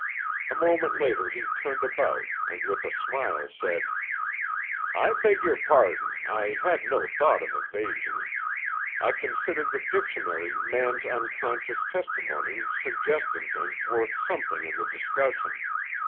A moment later he turned about and with a smile said: "I beg your pardon; I had no thought of evasion. I considered the dictionary man's unconscious testimony suggestive and worth something in the discussion.